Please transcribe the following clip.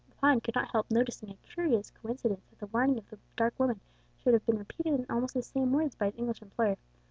Lepine could not help noting as a curious coincidence that the warning of the dark woman should be repeated in almost the same words by his English employer.